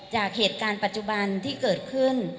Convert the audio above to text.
จากเหตุการณ์ปัจจุบันที่เกิดขึ้น